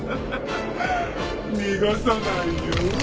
逃がさないよ